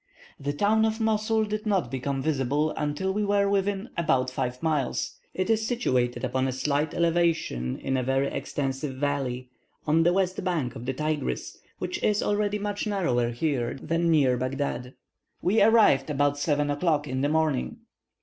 The town of Mosul did not become visible until we were within about five miles. It is situated upon a slight elevation in a very extensive valley, on the west bank of the Tigris, which is already much narrower here than near Baghdad. We arrived about 7 o'clock in the morning.